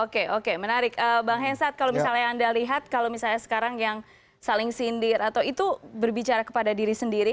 oke oke menarik bang hensat kalau misalnya anda lihat kalau misalnya sekarang yang saling sindir atau itu berbicara kepada diri sendiri